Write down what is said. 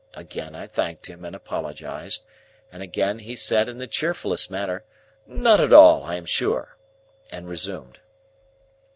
Again I thanked him and apologised, and again he said in the cheerfullest manner, "Not at all, I am sure!" and resumed.